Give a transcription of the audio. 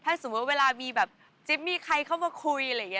ถ้าสมมุติเวลามีแบบจิ๊บมีใครเข้ามาคุยอะไรอย่างนี้